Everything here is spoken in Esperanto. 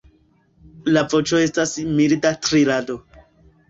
La voĉo estas milda trilado.